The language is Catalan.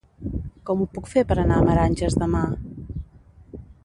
Com ho puc fer per anar a Meranges demà?